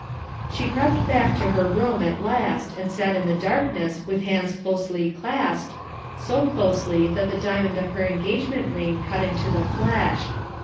She crept back to her room, at last, and sat in the darkness with hands closely clasped, so closely that the diamond of her engagement ring cut into the flesh.